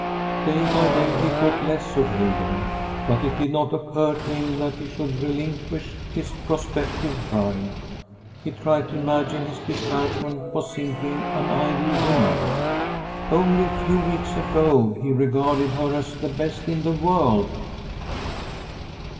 Day by day he thought less of Hildur, but it did not occur to him that he should relinquish his prospective bride. He tried to imagine his discouragement was simply an idle whim. Only a few weeks ago he regarded her as the best in the world!